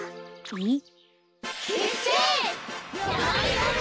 えっ？